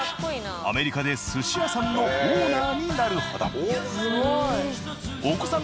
アメリカで寿司屋さんのオーナーになるほど。